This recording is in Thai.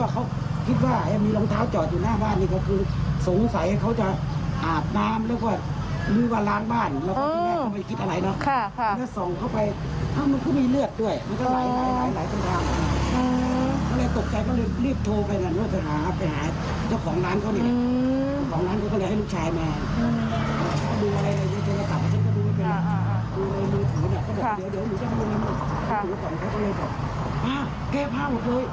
ของร้านเขาเลยของร้านเขาก็เลยให้มุมชายมา